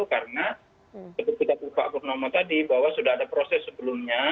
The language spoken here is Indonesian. karena seperti kata pak purnomo tadi bahwa sudah ada proses sebelumnya